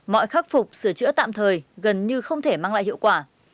mọi khắc phục sửa chữa tạm thời gần như không thể mang lại hiệu quả